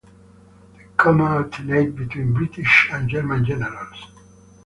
The command alternated between British and German generals.